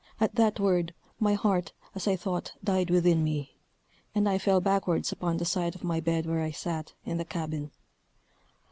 At that word, my heart, as I thought died within me: and I fell backwards upon the side of my bed where I sat, in the cabin.